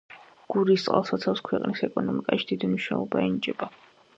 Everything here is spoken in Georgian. გურის წყალსაცავს ქვეყნის ეკონომიკაში დიდი მნიშვნელობა ენიჭება.